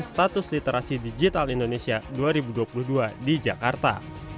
status literasi digital indonesia dua ribu dua puluh dua di jakarta